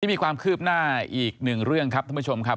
มีความคืบหน้าอีกหนึ่งเรื่องครับท่านผู้ชมครับ